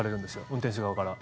運転手側から。